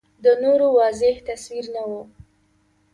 د نورو واضح تصویر نه و